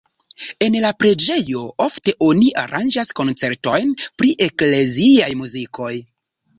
En la preĝejo ofte oni aranĝas koncertojn pri ekleziaj muzikoj.